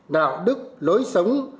đạo đức lối sống